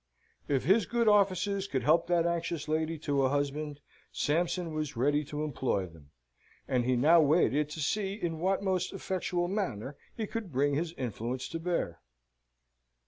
If his good offices could help that anxious lady to a husband, Sampson was ready to employ them: and he now waited to see in what most effectual manner he could bring his influence to bear.